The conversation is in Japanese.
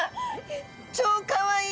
超かわいい！